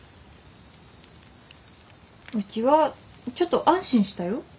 うちはちょっと安心したよ。